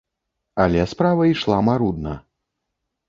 Але справа ішла марудна.